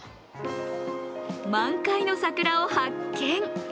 満開の桜を発見。